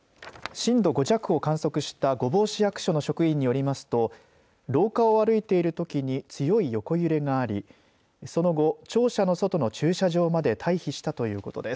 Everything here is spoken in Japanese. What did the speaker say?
震度５弱を観測した御坊市役所の職員によりますと廊下を歩いているときに強い横揺れがあり、その後、庁舎の外の駐車場まで退避したということです。